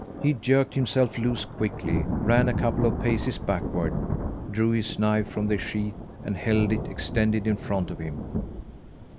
He jerked himself loose quickly, ran a couple of paces backward, drew his knife from the sheath, and held it extended in front of him.